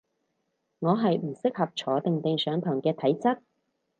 我係唔適合坐定定上堂嘅體質